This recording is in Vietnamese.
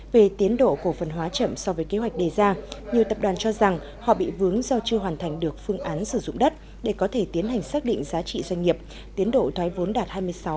về tiến độ cổ phần hóa chậm so với kế hoạch đề ra nhiều tập đoàn cho rằng họ bị vướng do chưa hoàn thành được phương án sử dụng đất để có thể tiến hành xác định giá trị doanh nghiệp tiến độ thoái vốn đạt hai mươi sáu